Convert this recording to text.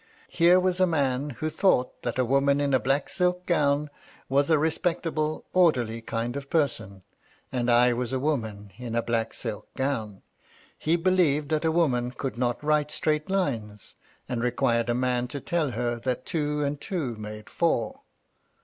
Here was a man who thought N 3 274 MY LADY LUDLOW. that a woman in a black silk gown was a respectable, orderly kind of person; and I was a ¥raman in a black silk gown. He believed that a woman could not write straight lines, and required a man to tell her that two and two made four.